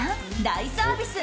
大サービス！